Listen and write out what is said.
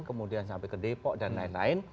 kemudian sampai ke depok dan lain lain